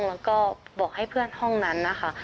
แล้วก็บอกให้เพื่อนห้องนั้นนะคะ